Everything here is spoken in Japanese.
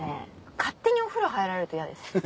勝手にお風呂入られると嫌です。